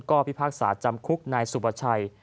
ก็พิพากษาจำคุกนายสุประชัย